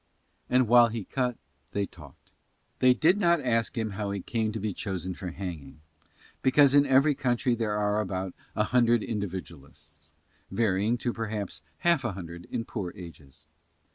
And while he cut they talked. They did not ask him how he came to be chosen for hanging, because in every country there are about a hundred individualists, varying to perhaps half a hundred in poor ages.